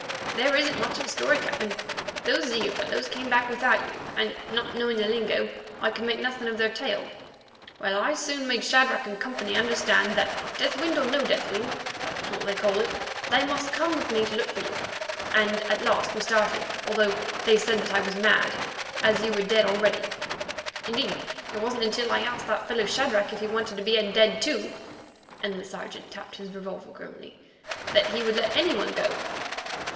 "There isn't much of a story, Captain. Those Zeu fellows came back without you, and, not knowing the lingo, I could make nothing of their tale. Well, I soon made Shadrach and Co. understand that, death wind or no death wind—that's what they call it—they must come with me to look for you, and at last we started, although they said that I was mad, as you were dead already. Indeed, it wasn't until I asked that fellow Shadrach if he wanted to be dead too"—and the Sergeant tapped his revolver grimly—"that he would let any one go.